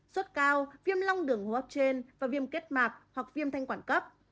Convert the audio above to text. sốt cao viêm long đường hô hấp trên và viêm kết mạc hoặc viêm thanh quản cấp